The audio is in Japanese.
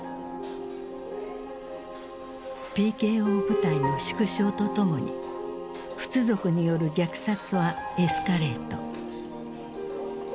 ＰＫＯ部隊の縮小とともにフツ族による虐殺はエスカレート。